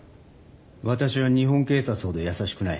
私は日本警察ほど優しくない。